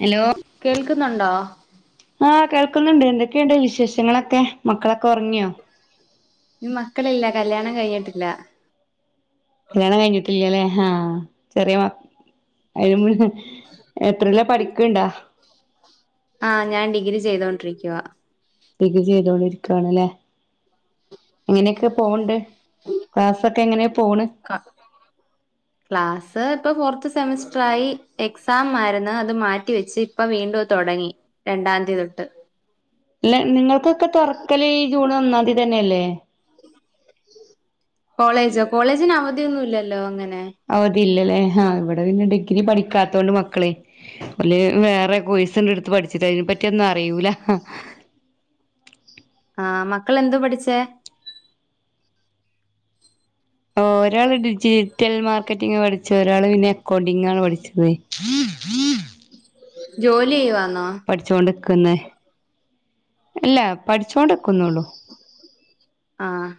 Hello. കേൾക്കുന്നുണ്ടോ? ആഹ് കേൾക്കുന്നുണ്ട്. എന്തൊക്കെയുണ്ട് വിശേഷങ്ങളൊക്കെ മക്കളൊക്കെ ഉറങ്ങിയോ? മക്കളില്ല കല്യാണം കഴിഞ്ഞിട്ടില്ല. കല്യാണം കഴിഞ്ഞിട്ടില്ലല്ലേ. ആഹ് ചെറിയ മോ [unintelligible] എത്രീല്ല പഠിക്ക്ണ്ടാ? ആഹ് ഞാൻ ഡിഗ്രി ചെയ്തോണ്ടിരിക്കുവ. ഡിഗ്രി ചെയ്തോണ്ടിരിക്കാണല്ലേ. എങ്ങനെയൊക്കെ പോവണ്ട് ക്ലാസ്. ഇപ്പൊക്കെങ്ങനെ പോണ്. ക ക്ലാസ് ഇപ്പൊ ഫോർത്ത് സെമസ്റ്റർ ആയി എക്സാം ആയിരുന്നു അത് മാറ്റിവെച്ച് ഇപ്പൊ വീണ്ടും അത് തുടങ്ങി രണ്ടാം തീയതി തൊട്ട് ഇല്ല നിങ്ങൾക്കൊക്കെ തുറക്കല് ഈ ജൂൺ ഒന്നാം തീയതി തന്നെയല്ലേ കോളേജോ കോളേജിന് അവധിയൊന്നും ഇല്ലല്ലോ അങ്ങനെ അവധിയില്ലല്ലേ ആഹ് ഇവിടെ പിന്നെ ഡിഗ്രി പഠിക്കാത്തോണ്ട് മക്കളെ ഓല് വേറെ കോഴസാണ്ട് എടുത്ത് പഠിച്ചിട്ട് അതിനെ പറ്റിയൊന്നും അറിയൂല ആഹ് മക്കൾ എന്ത് പഠിച്ചേ ഒരാള് ഡിജിറ്റൽ മാർക്കറ്റിംഗ് പഠിച്ചത് ഒരാള് പിന്നെ അക്കൗണ്ടിംഗ് ആണ് പഠിച്ചതെ ജോലി ചെയ്യുവാന്നോ പഠിച്ചോണ്ടിക്കുന്ന അല്ല പഠിച്ചോണ്ടക്കുന്നുള്ളൂ ആഹ്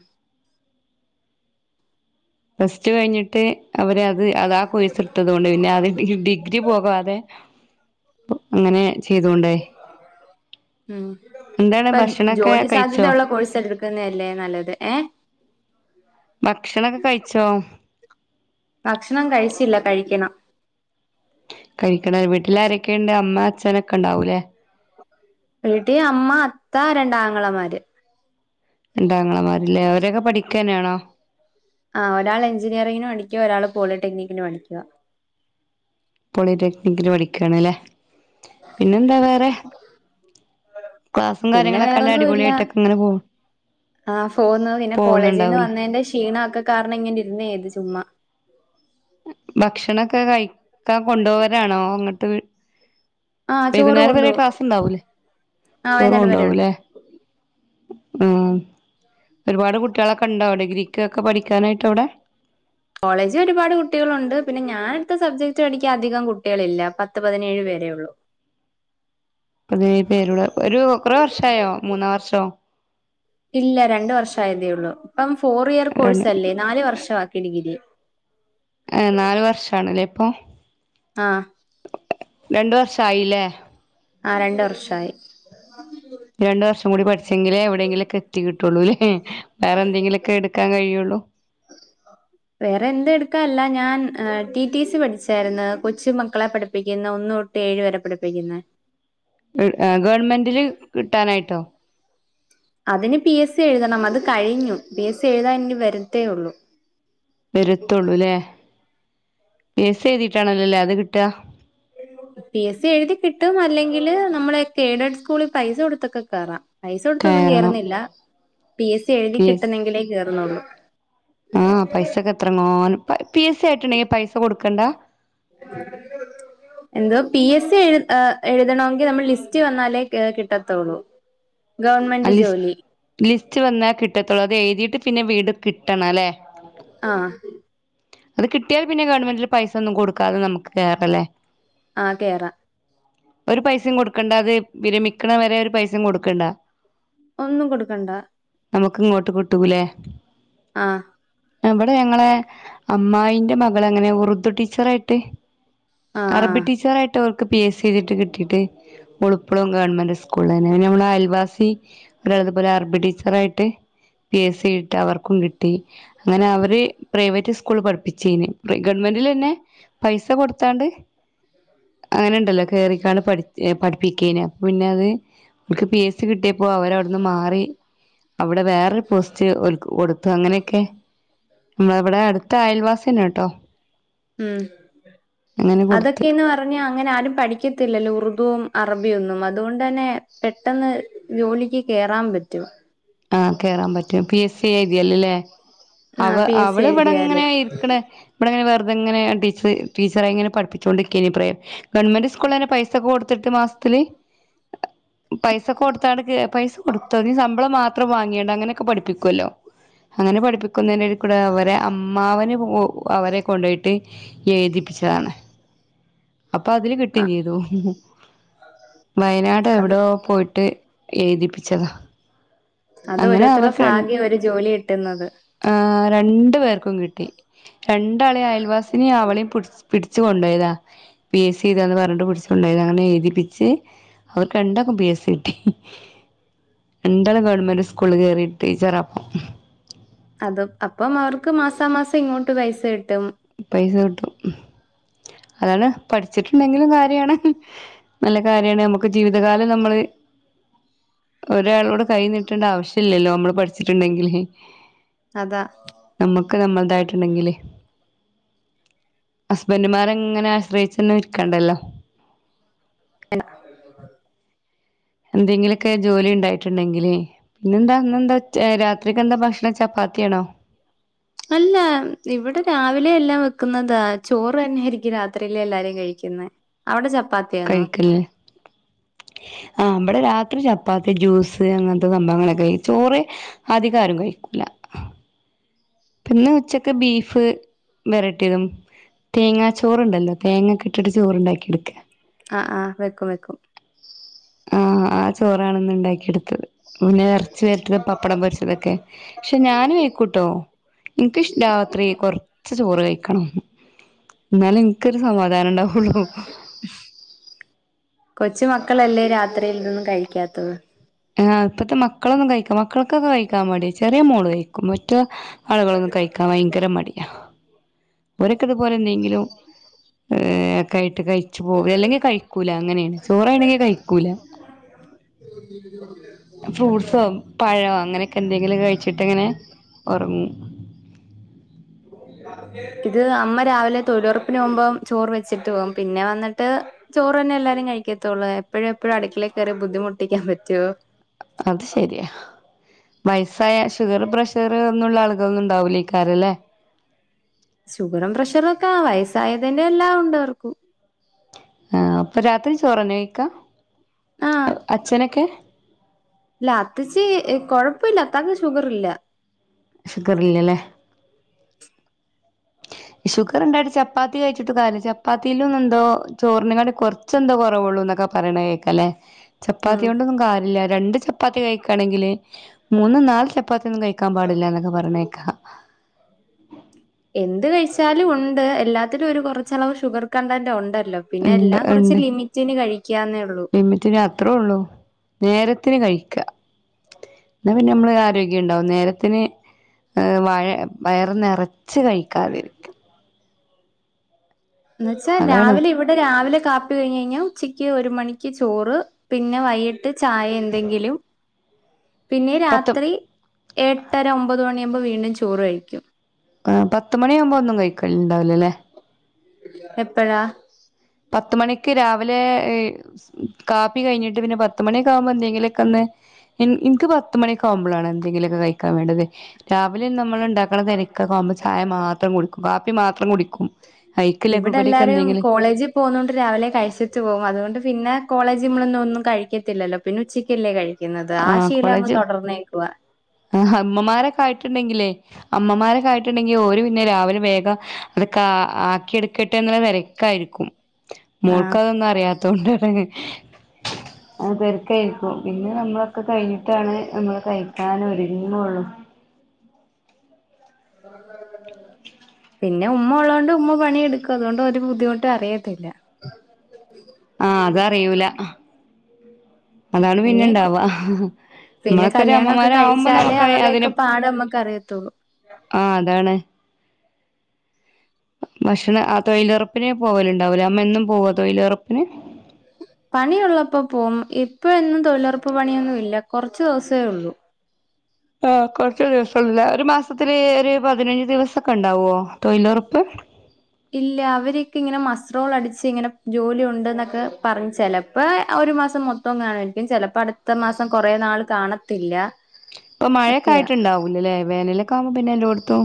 ഫസ്റ്റ് കഴിഞ്ഞിട്ട് അവര് ത് അതാ കോഴ്സെടുത്തത് കൊണ്ട് പിന്നെ അത് ഡിഗ്രി പോകാതെ അങ്ങനെ ചെയ്തോണ്ടെ ഉം എന്താണ് ഇപ്പം ഭക്ഷണൊക്കെ ജോലി കഴിച്ചോ സാധ്യതയുള്ള കോഴ്സ് എടുക്കുന്നല്ലേ നല്ലത് ഏഹ് ഭക്ഷണൊക്കെ കഴിച്ചോ ഭക്ഷണം കഴിച്ചില്ല കഴിക്കണം കഴിക്കണം വീട്ടിലാരൊക്കെ ഉണ്ട് അമ്മ അച്ഛനൊക്കെ ഉണ്ടാവൂലേ വീട്ടി അമ്മ അത്ത രണ്ടാങ്ങളമാര് രണ്ടാങ്ങളമാരല്ലേ അവരൊക്കെ പഠിക്കന്നെയാണോ ആഹ് ഒരാള് എഞ്ചിനീയറിംഗിന് പഠിക്കുവാ ഒരാള് പോളിടെക്നിക്കിന് പടിക്കുവാ പോളിടെക്നിക്കിന് പഠിക്കുവാണല്ലേ പിന്നെന്താ വേറെ ക്ലാസും പിന്നെ കയങ്ങളൊക്കെല്ല അടിപൊളി വേറൊന്നുല്ല ആയിട്ടക്കെങ്ങനെ പോവും ആഹ് പോക്കുന്ന പിന്നെ കോളേജിൽ നിന്ന് വന്നതിന്റെ ക്ഷീണൊക്കെ കാരണം ഇങ്ങന ഇരുന്നേ ഏത് ചുമ്മാ ഭക്ഷണൊക്കെ കഴിക്കാൻ കൊണ്ടുപോവരാണോ അങ്ങോട്ട് ആഹ് ചോറ് വൈകുന്നേരം വരെ കൊണ്ടോവും ക്ലാസ് ഉണ്ടാവൂലേ ആഹ് ചോറും വൈന്നേരം വരെ ഉണ്ട് ഉണ്ടാവൂല്ലേ ആഹ് ഒരുപാട് കുട്ടികളൊക്കെ ഉണ്ടാവും ഡിഗ്രിക്ക്ക്കെ പഠിക്കാനായിട്ട് അവിടെ കോളേജിൽ ഒരുപാട് കുട്ടികളുണ്ട് പിന്നെ ഞാന എടുത്ത സബ്ജക്ട് പഠിക്കാൻ അധികം കുട്ടികള ഇല്ല പത്ത് പതിനേഴ് പേരെ ഉള്ളൂ അതിനേ പേരുടെ ഒരു കുറേ വർഷ ആയോ മൂന്നാ വർഷോ ഇല്ല രണ്ട് വർഷം ആയതേ ഉള്ളൂ ഇപ്പം ഫോർ ഇയർ രണ്ട് കോഴ്സ് അല്ലേ നാല് വർഷ ആക്കി ഡിഗിരി ഏപ്നാല് വർഷമാണല്ലോ ഇപ്പോൾ ആഹ് രണ്ടു വർഷയില്ലേ ആഹ് രണ്ടു വർഷായി ഇനിരണ്ടു വർഷം കൂടി പഠിച്ചെങ്കിലേ എവിടെങ്കിലൊക്കെ എത്തി കിട്ടുള്ളൂ അല്ലേ വേറെ എന്തെങ്കിലുമൊക്കെ എടു ക്കാൻ കഴിയുള്ളൂ [inaudible] വേറെ എന്ത എടുക്കാനല്ല ഞാൻ ടി ടി സി പഠിച്ചായിരുന്നു കൊച്ചു മക്കളെ പഠിപ്പിക്കുന്നു ഒന്ന് ഏഴ് വരെ പഠിപ്പിക്കുന്ന് ഗവൺമെന്റില് കിട്ടാനായിട്ടോ അതിന് പി എസ് സി എഴുതണം അത് കഴിഞ്ഞു പി എസ് സി എഴുതാൻ എനി വരത്തേ ഉള്ളു വരത്തുള്ളൂല്ലേ പേസ എഴുതിയിട്ടാണല്ലോല്ലേ അത് കിട്ടാ പി എസ് സി എഴുതി കിട്ടും അല്ലെങ്കില് നമ്മളൊക്കെ എയ്ഡഡ് സ്കൂളിൽ പൈസ കൊടുത്തൊക്കെ കയറാം പൈസ കൊടുത്തൊന്നും കയറണം കയറുന്നില്ല പി എസ് സി എഴുതി പി എസ് കിട്ടുന്നെങ്കിലേ കയറുന്നുള്ളൂ ആഹ് പൈസക്കെ എത്രങ്ങോ പി എസ് സി ആയിട്ടുണ്ടെങ്ക പൈസ കൊടുക്കണ്ട [inaudible] എന്തോ പി എസ് സി എ എഴുതണമെങ്കിൽ നമ്മൾ ലിസ്റ്റ് വന്നാലേ കിട്ടത്തുള്ളൂ [inaudible] ആ ഗവൺമെന്റ് ലിസ് ജോലി ലിസ്റ്റ് വന്നാകിട്ടത്തൊള്ളു അത് എഴ്തീയിട്ട് പിന്നെ വീണ്ടും കിട്ടണല്ലേ ആഹ് അത് കിട്ടിയാൽ പിന്നെ ഗവൺമെന്റില് പൈസന്നും കൊടുക്കാത നമുക്ക്കേറലേ ആഹ് കേറ ഒരു പൈസിം കൊടുക്കണ്ട അത് വിരമിക്കണവരെ ഒരു പൈസിം കൊടുക്കണ്ട ഒന്നും കൊടുക്കണ്ട നമുക്ക് ഇങ്ങോട്ട് കിട്ടൂലേ ആഹ് ആഹ് ഇവടെ ഞങ്ങളെ അമ്മായിന്റെ മകളങ്ങനെ ഉറുദു ടീച്ചറായിട്ട് ആഹ് അറബി ആഹ് ടീച്ചറായിട്ട് ക്ക്‌ പി എസ് സി എയ്തിട്ട് കിട്ടീട്ടേ ഓള്പ്പളും ഗവൺമെന്റ് സ്കൂളേന്നേ പിന്നെ നമ്മളെ അയൽവാസി ഒരാൾത്പ്പഒര് അറബി ടീച്ചറായിട്ട് പി എസ് സിയേറ്റ് അവർക്കുംകിട്ടി അങ്ങനെ അവര് പ്രൈവറ്റ് സ്കൂള്ള് പഠിപ്പിചീന് പ്രീ ഗവൺമെന്റിലന്നേ പൈസ കൊടുത്താണ്ട് അങ്ങനെണ്ടല്ലോ കേറിക്കാണ്ട് പഠി ഏഹ് പഠിപ്പിക്കേന അപ്പ പിന്നെ അത് ഓൽക്ക്‌ പി എസ് സി കിട്ടിയപ്പോ അവരവ്ട്ന്ന് മാറി അവ്ടെ വേറൊരു പോസ്റ്റ് ഓൽക്ക്‌ കൊടുത്തു അങ്ങനെയൊക്കെ മ്മള ഇവടെ അടുത്ത അയൽവാസ്യന്നട്ടോ ഉം അങ്ങനെ അതക്കെ കൊടുത്ത് ഇ പറഞ്ഞാ അങ്ങനെ ആരും പഠിക്കത്തില്ലല്ലോ ഉറുദുവും അറബിയൊന്നും അതോണ്ടന്നേ പെട്ടന്ന് ജോലിക്ക് കേറാം പറ്റും ആഹ് കേറാപറ്റും പി എസ് സി എഴതിയാല്ല്ലേ അവ ആ പി എസ് സി അവള് ഇവടെ എഴുതിയാല് ഇങ്ങനെ ഇരിക്ക്‌ണ ഇവടെങ്ങനെ വെറുതെങ്ങനെ ടീച്ചറ് ടീച്ചറായി ഇങ്ങന പഠിപ്പിച്ചോണ്ടിക്കേനി പ്രേ ഗവൺമെന്റ് സ്കൂൾളന്നെ പൈസൊക്കെ കൊടുത്തിട്ട് മാസ്ത്തില് പൈസൊക്കെ കൊടുത്താണ്ട് കേ പൈസ കൊടുത്തോരി ശമ്പളംമാത്രം വാങ്ങിയേണ്ട അങ്ങനെയൊക്കെ പഠിപ്പിക്കൊല്ലോ അങ്ങനെ പഠിപ്പിക്കുന്നേന്റെടേ കൂടെ അവരെ അമ്മാവന് ഉം അവരെകൊണ്ടയിട്ട് എഴ്തിപ്പിച്ചതാണ് അപ്പൊ അതില് ആ കിട്ടിംചെയ്തു വയനാട് അത് എവിടോ പോയിട്ട് എഴുതിപ്പിച്ചതാ അത് അങ്ങനെ ഓരോരുത്തറ ഭാഗ്യ ഒരു ജോലികിട്ടുന്നത് ആഹ് രണ്ട്പേർക്കുംകിട്ടി രണ്ടാളീം അയൽവാസിനിഅവളീം പുടിച്ച് പിടി ച്ചു കൊണ്ടയതാ പി എസ് സി എഴ്താന്ന് പറഞ്ഞിട്ട് പിടിച്ച് കൊണ്ടായതാ അങ്ങനെ എഴുതിപ്പിച്ച് അവർക്ക് രണ്ടാക്കും പി എസ് സി കിട്ടി രണ്ടാളും ഗവൺമെന്റ് സ്കൂൾള് കേറിയി ടീച്ചറാപ്പം അത് അപ്പം അവർക്ക് മാസാമാസം ഇങ്ങോട്ട്പൈസകിട്ടും പൈസ കിട്ടും അതാണ് പഠിച്ചിട്ട്ണ്ടെങ്കിലും കാര്യാണ് നല്ലകാര്യാണ് നമ്മക്ക് ജീവിതകാലം നമ്മള് ഒരാളോട് കൈനിട്ടണ്ട ആവശ്യല്ലല്ലോ അമ്മള് പഠിച്ചിട്ട്ണ്ടെങ്കില് അതാ നമ്മക്ക് നമ്മളതായിട്ട്ണ്ടെങ്കില് ഹസ്ബന്റ്മാരെങ്ങനെ ആശ്രയിച്ചന്നും ഇരികേണ്ടല്ലൊ എന്തെങ്കിലൊക്കെ ജോലി ഇണ്ടായിട്ട്ണ്ടെങ്കില് പിന്നെഎന്താ ഇന്നന്താ ഉച്ച ഏഴ് രാത്രിക്കന്താ ഭക്ഷണചപ്പാ ത്തിണോ അല്ല ഇവടെ രാവിലെ എല്ലാം വെക്കുന്നതാ ചോറന്നേയിരിക്കും രാത്രിയില് എല്ലാരും കഴിക്യുന്നേ അവടെ ചപ്പാ കഴിക്കല്ലേ ആഹ് ഇമ്പടെരാത്രി ചപ്പാത്തി. ജ്യൂസ് അങ്ങൻത്തെ സംഭവങ്ങളൊക്കെഴിച്ചു ചോറ് അധികാരും കഴ്ക്കൂല. പിന്നെ ഉച്ചക്ക് ബീഫ് വെരട്ടിയതും തേങ്ങാ ചോറ്ണ്ടല്ലോ തേങ്ങക്കെ ങ്ങട്ട് ചോറ്ണ്ടാക്കിട്ക്ക. അഹ് അഹ് വെക്കും വെക്കും. ഉം ആഹ് ചോറാണ്ന്ന് ഇണ്ടാക്കിട് പിന്നെ എർച്ചി വെർറ്റിയതും പപ്പടം പൊരിച്ചതൊക്കെ ക്ഷെ ഞാനും വെയ്ക്കുട്ടോ. ഇൻക്ക്ഷ് രാത്രി കൊർച്ച് ചോറ് കഴിക്കണം. ഇന്നാലെ ഇൻക്കൊരു സമാധാനം ഇണ്ടാവൊള്ളൂ. കൊച്ച മക്കളല്ലേ രാത്രിൽന്നും കഴ്‌ക്കാത്തത്. ആഹ് ഇപ്പത്തെ മക്കളൊന്നും കഴിക്കു മക്കൾക്കൊക്കെ കഴിക്കാൻ മടിയ ചെറിയ മോള് കഴിക്കും മറ്റോ ആളുകളൊന്നും കഴ്‌ക്കാൻ ഭയങ്കര മടിയാ ഓരൊക്കെ ഇതുപോലെ എന്തെങ്കിലും ഏഹ് ഒക്കെയിട്ട് കഴ്‌ച്ച് പോകും ഇല്ലെങ്കി ല കഴിക്കൂല അങ്ങനെയാണ് ചോറാണെങ്കിൽ കഴ്‌ക്കൂല. [inaudible] ഫ്രൂട്ട്സോ പഴോ അങ്ങനെയൊക്കെ എന്തെങ്കിലും കഴിച്ചിട്ട് ഇങ്ങനെ ഒറങ്ങും. ഇത് അമ്മ രാവിലെ തൊഴിലുറപ്പിന് പോവുമ്പോ ചോറ് വെച്ചിട്ട് പോകും പിന്നെ വന്നിട്ട് ചോറെന്നെ എല്ലാരും കഴിക്കത്തൊള്ളൂ എപ്പഴും, എപ്പഴും അടുക്കളി കേറി ബുദ്ധിമുട്ടിക്കാൻ പറ്റോ? അത് ശരിയാ. വയസ്സായ ഷുഗർ, പ്രഷർ ഒന്നുള്ള ആളുകളൊന്നും ഇണ്ടാവില്ലയ്ക്കാരിംലെ? ഷുഗറും പ്രഷറൊക്കെ വയസ്സായതിന്റെ എല്ലാം ഉണ്ട് അവർക്കും. ആഹ് അപ്പൊ രാത്രി ചോറെന്നെ കഴിക്ക ആഹ് അച്ഛനൊക്കെ? ഇല്ല അത്തച്ചി കൊഴപ്പല്ല അത്താക്ക്‌ ഷുഗർ ഇല്ല. ഷുഗറില്ലലെ? ഷുഗർ ഇണ്ടായിട്ട് ചപ്പാത്തി കഴ്‌ച്ചിട്ട് കല് ചപ്പാത്തിയിലും. എന്തോ ചോറിനെകാട്ടി കൊർ ച്ചെന്തോ കൊറവൊള്ളൂ എന്നൊക്കെ പറയണ കേൾക്കല്ലേ ഉം ചപ്പാത്തിയോണ്ടൊന്നും കാര്യല്ല രണ്ട് ചപ്പാത്തി കഴിക്കാണെങ്കില് മൂന്നും നാല് ചപ്പാത്തിയൊന്നും കഴിക്കാൻ പാടില്ല എന്നൊക്കെ പറീണേക്ക. എന്ത് കഴിച്ചാലുംഉണ്ട് എല്ലാത്തിലും ഒരു കോർച്ചളവ് ഷുഗർ കണ്ടെന്റ് ഉണ്ടല്ലോ? പിന്നെ ഉണ്ട് എല്ലാം കൊർച്ച് ലിമിറ്റിന് കഴിക്കാന്നേ ഒള്ളൂ. ത്തിന് അത്രേള്ളൂ നേരത്തിന് കഴിക്ക. ഇന്നാ പിന്നെ അമ്മള് ആരോഗ്യം ഇണ്ടാവും നേരത്തിന് ഏഹ് വാഴ വയറ്നെർ ച്ച് കഴിക്കാതെ ന്ന് വെച്ചാൽ അതാണ് രാവിലെ ഇവിടെ രാവിലെ കാപ്പി കഴിഞ്ഞയ്ഞ്ഞാ ഉച്ചെക്ക് ഒരു മണിക്ക് ചോറ് പിന്നെ വൈകിട്ട് ചായഎന്തെങ്കിലും [inaudible] പിന്നെ പത്ത് രാത്രി എട്ടെര ഒമ്പത് മണിയാകുമ്പോൾ വീണ്ടും ചോറ് കഴിക്കും. പാ പത്ത് മണിയാകുമ്പോ ഒന്നും കഴിക്കല് ഇണ്ടാവൂലലെ? എപ്പഴാ? പത്തു മണിക്ക് രാവിലെ ഹ് കാപ്പി കഴിഞ്ഞിട്ട് പിന്നെ പത്തുമണിയാകുമ്പോക്കെ എന്തെങ്കിലൊക്കൊന്ന് ഇൻ ഇൻക്ക് പത്തുമണിയൊക്കൊ ആവുമ്പളാണ് എന്തെങ്കിലുമൊക്കെ കഴിക്കാൻ വേണ്ടത് രാവിലെ ന്നമ്മള് ഇണ്ടാ ഓളെ പെരീക്കൊവുമ്പോ ചായ മാത്രം കുടിക്കും കാപ്പി മാത്രം കുടിക്കും. അയിക്ക് ലഘുകടിയൊക്കെ ഇവടെല്ലാരും എന്തെങ്കിലും കോളേജ് പോകുന്നോണ്ട് രാവിലെ കഴ്‌ച്ചിട്ട് പോകും അതുകൊണ്ട് പിന്നെ കോളേജ് നമ്മളൊന്നുംന്നും കഴിക്കത്തില്ലോ പിന്നെ ഉച്ചയ്ക്കല്ലേ കഴി ക്കുന്നത് ആ ശീല അങ്ങ് തൊടെർന്നേക്കുവ. ആഹ് മ്മമാരൊക്കെ ആയിട്ടുണ്ടെങ്കിലെ അമ്മമാരെക്കായിട്ടുണ്ടെങ്കി ഓര് പിന്നെ രാവിലെ വേഗം ഇതൊക്കെ ആക്കിയെടുക്കട്ടെ എന്നുള്ള തര ക്കായിരിക്കും. ആ മോൾക്കതൊന്നും അറിയാത്തോണ്ടാണ് അത് തെര്ക്കായിരിക്കും. പിന്നെ ന്നമ്മളൊക്കെ കയ്ഞ്ഞിട്ടാണ് ന്നമ്മള് കഴിക്കാൻ ഒരുങ്ങൊള്ളൂ. [inaudible] പിന്നെ ഉമ്മഉള്ളോണ്ട് ഉമ്മ പണിയെടുക്കും അതുകൊണ്ട് ഒര് ബുദ്ധിമുട്ട് അറിയത്തില്ല. ആഹ് അതറിയൂല അതാണ് ഇനി പിന്നെണ്ടവാ. പിന്നെ കല്യാണൊക്കെ കഴിച്ചാലേ അതിന് അവരുടെക്കെ പാട് നമ്മക്ക് അറിയത്തൊള്ളൂ. ആഹ് അതാണ് ഭക്ഷണം ആഹ് തൊഴിലൊറപ്പിന് പോവലണ്ടാവുല്ലേ അമ്മ എന്നും പോവ തൊഴിലൊറപ്പിന്? പണിയുള്ളപ്പോ പോവും ഇപ്പ എന്നും തൊഴിലുറപ്പ് പണിയൊന്നുല്ല കൊറച്ച് ദിവസേ ഒള്ളൂ. ആഹ് കൊറച്ച് ദിവസൊള്ളൂലേ ഒരു മാസത്തില് ഒരു പതിനഞ്ച് ദിവസൊക്കെ ഇണ്ടാവോ തൊഴിലൊറപ്പ്? ഇല്ല അവരൊക്കെ ഇങ്ങനെ മസത്രോൾ അടിച്ച് ഇങ്ങനെ ജോലി ഉണ്ട് എന്നൊക്കെ പറഞ് ചെലപ്പോ ഒരു മാസം മൊ തം കാണിക്കും ചെലപ്പോ അടുത്ത മാസം കൊറെ നാൾ കാണത്തില്ല. ഇപ്പ മഴയൊക്ക ഒക്കെയാ ആയിട്ടുണ്ടാവൂലലെ വേനലൊക്കെ ആകുമ്പോ പിന്നെ എല്ലോ ട്ത്തും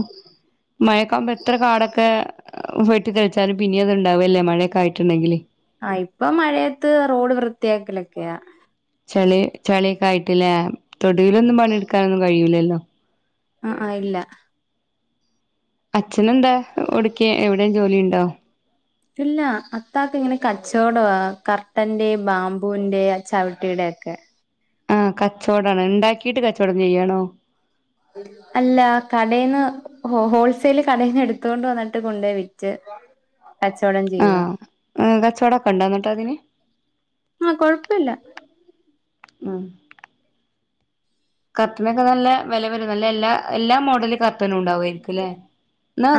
മയക്കാമ്പോ എത്ര കാടൊക്കെ വെട്ടിത്തെളിച്ചാലും പിന്നെ അതുണ്ടാവല്ലേ മഴയൊക്കെ ആയിട്ട്ണ്ടെങ്കില് ആഹ് ഇപ്പൊ മഴയത്ത് റോഡ് വൃത്തിയാക്കലൊക്കെയാ. ചളി ചളിയൊക്ക ആയിട്ടില്ലേ തൊടുവിലൊന്നും പണിടുക്കാനൊന്നും കഴിയൂലല്ലോ. ആഹ് ആഹ് ഇല്ല അച്ഛന് എന്താ ഒടക്ക എവിടെയും ജോലി ഇണ്ടോ? ഇല്ല അത്താക്ക് ഇങ്ങനെ കച്ചവടം കർട്ടന്റെ ബാമ്പൂവിന്റെ ചവിട്ടിയിടെക്കെ. ആഹ് കച്ചൊടിണ് ഇണ്ടാക്കീട്ട് കച്ചൊടം ചെയ്യാണോ? അല്ല കടെന്ന് ഓ ഹോൾസെൽ കടയിന്നെടുത്തൊണ്ട് വന്നിട്ട് കൊണ്ടേ വിറ്റ് കച്ചൊടംചെയ്യ്യോ ആഹ് കച്ചവടൊക്കെ ഉണ്ടോ എന്നിട്ട് അതിന് ആഹ് കൊഴപ്പല്ല. ഉം കർട്ടനൊക്കെ നല്ല വെല വരും നല്ല എല്ലാ എല്ലാ മോഡല് ക ർട്ടനും ഉണ്ടാവയിരിക്കല്ലേ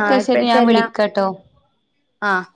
ആ ശരി ഞാൻ വിളിക്കാട്ടോ? ആഹ്